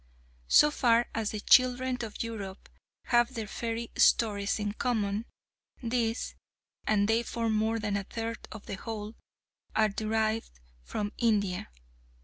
So far as the children of Europe have their fairy stories in common, these and they form more than a third of the whole are derived from India.